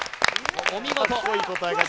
お見事。